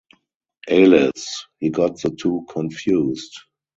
Alas, he got the two confused.